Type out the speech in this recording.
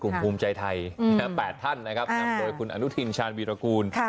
กลุ่มภูมิใจไทย๘ท่านนะครับโดยคุณอนุทินชาญวิรากูล